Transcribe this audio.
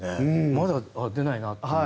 まだ出ないなというのが。